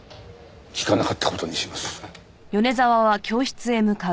聞かなかった事にします。